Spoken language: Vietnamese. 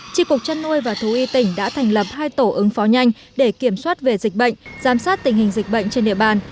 tri cục chăn nuôi và thú y tỉnh đã thành lập hai tổ ứng phó nhanh để kiểm soát về dịch bệnh giám sát tình hình dịch bệnh trên địa bàn